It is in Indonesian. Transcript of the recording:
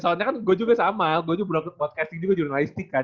ya soalnya kan gue juga sama gue juga pernah ke broadcasting juga journalistik kan